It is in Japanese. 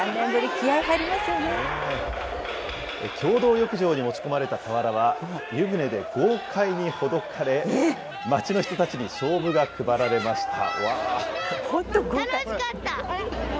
共同浴場に持ち込まれた俵は湯船で豪快にほどかれ、町の人たちにしょうぶが配られました。